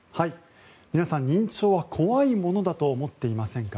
皆さん、認知症は怖いものだと思っていませんか？